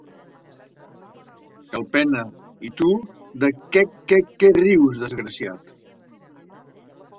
Calpena— I tu, de què què què rius, desgraciat?